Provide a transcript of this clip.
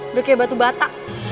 udah kayak batu bata